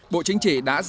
bộ chính trị đã ra chỉ thị